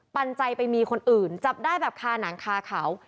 ปันใจไปมีคนอื่นจับได้แบบคาหนังคาเขา